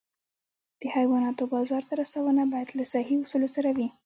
د حیواناتو بازار ته رسونه باید له صحي اصولو سره وي.